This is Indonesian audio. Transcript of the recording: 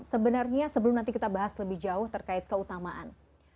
sebenarnya sebelum nanti kita bahas lebih jauh terkait keutamaan